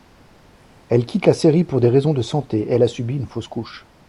Elle quitte la série pour des raisons de santé, elle a subi une fausse-couche.